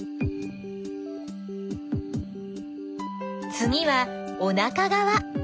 つぎはおなかがわ。